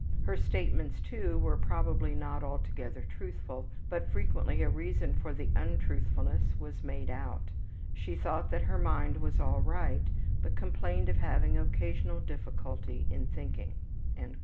Her statements, too, were probably not altogether truthful, but frequently a reason for the untruthfulness was made out. She thought that her mind was all right, but complained of having occasional difficulty in thinking.''